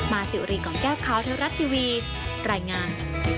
มาสิวรีของแก้วค้าวเที่ยวรัดทีวีรายงาน